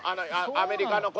アメリカの子！